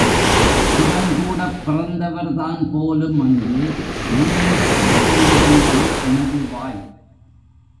சிவன் கூடப் பிறந்தவர்தான் போலும் என்று முணுமுணுத்துக் கொண்டிருந்தது எனது வாய்.